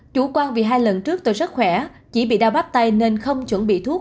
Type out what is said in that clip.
chủ quan vì hai lần trước tôi rất khỏe chỉ bị đau bắp tay nên không chuẩn bị thuốc